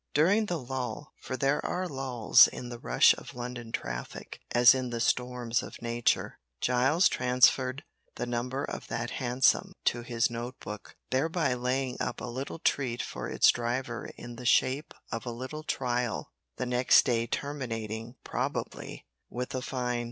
During the lull for there are lulls in the rush of London traffic, as in the storms of nature, Giles transferred the number of that hansom to his note book, thereby laying up a little treat for its driver in the shape of a little trial the next day terminating, probably, with a fine.